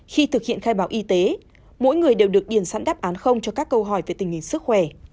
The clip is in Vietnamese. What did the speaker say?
khi thực hiện khai báo y tế mỗi người đều được điền sẵn đáp án cho các câu hỏi về tình hình sức khỏe